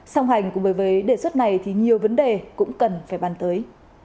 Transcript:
song hành cùng với đề xuất này thì nhiều vấn đề cũng cần phải bàn tới